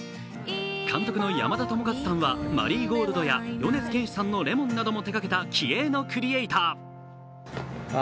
監督の山田智和さんは「マリーゴールド」や米津玄師さんの「Ｌｅｍｏｎ」なども手がけた気鋭のクリエーター。